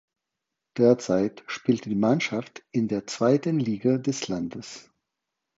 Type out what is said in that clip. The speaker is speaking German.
Derzeit spielt die Mannschaft in der zweiten Liga des Landes.